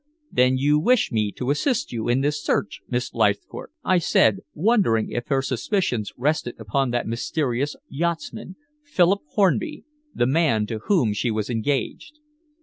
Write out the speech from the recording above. "Then you wish me to assist you in this search, Miss Leithcourt?" I said, wondering if her suspicions rested upon that mysterious yachtsman, Philip Hornby, the man to whom she was engaged.